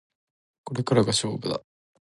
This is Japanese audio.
これからが勝負だ